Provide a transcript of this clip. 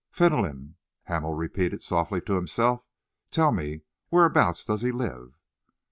"Fentolin," Hamel repeated softly to himself. "Tell me, whereabouts does he live?"